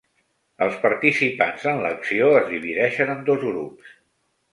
Els participants en l'acció es divideixen en dos grups.